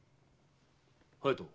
隼人。